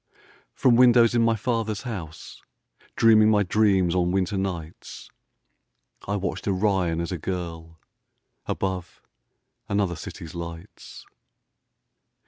From windows in my father's house, Dreaming my dreams on winter nights, I watched Orion as a girl Above another city's lights.